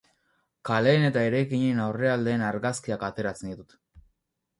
Kaleen eta eraikinen aurrealdeen argazkiak ateratzen ditut.